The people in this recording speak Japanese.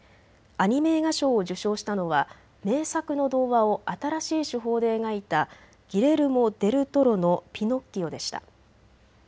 アニメ映画賞を受賞したのは名作の童話を新しい手法で描いたギレルモ・デル・トロのピノッキオでした。